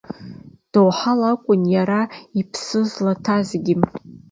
Доуҳала акәын иара иԥсы злаҭазгьы.